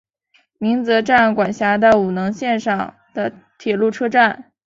鸣泽站管辖的五能线上的铁路车站。